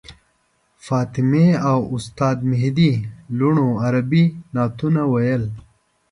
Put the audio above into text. فاطمې او د استاد مهدي لوڼو عربي نعتونه ویل.